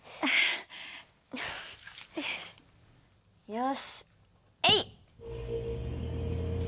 よしえいっ！